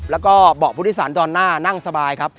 แล้วก็เบาะพุทธศาลตอนหน้านั่งสบายครับ